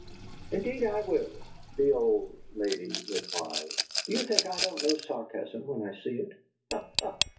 "Indeed I will!" the old lady replied. "Do you think I don't know sarcasm when I see it? Ha, ha!"